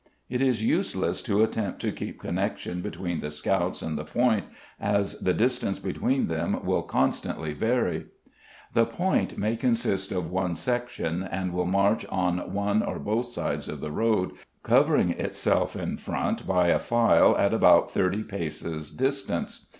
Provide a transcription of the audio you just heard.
It is useless to attempt to keep connection between the scouts and the point, as the distance between them will constantly vary. The point may consist of one section, and will march on one or both sides of the road, covering itself in front by a file at about 30 paces distance.